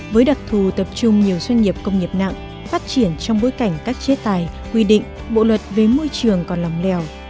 với đặc thù tập trung nhiều doanh nghiệp công nghiệp nặng phát triển trong bối cảnh các chế tài quy định bộ luật về môi trường còn lòng lèo